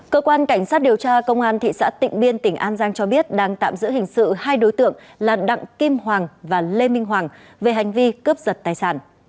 cơ quan cảnh sát điều tra công an thị xã tịnh biên tỉnh an giang cho biết đang tạm giữ hình sự hai đối tượng là đặng kim hoàng và lê minh hoàng về hành vi cướp giật tài sản